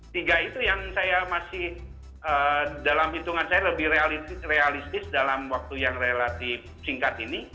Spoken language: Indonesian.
tiga itu yang saya masih dalam hitungan saya lebih realistis dalam waktu yang relatif singkat ini